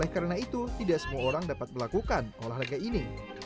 karena itu tidak semua orang dapat melakukan olahraga ini